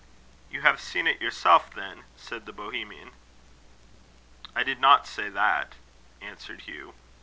"You have seen it yourself, then?" said the Bohemian. "I did not say that," answered Hugh.